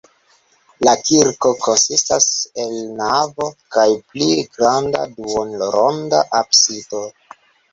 La kirko konsistas el navo kaj pli granda duonronda absido.